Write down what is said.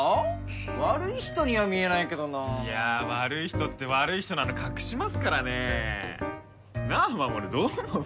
悪い人には見えないけどないや悪い人って悪い人なの隠しますからねえなあマモルどう思う？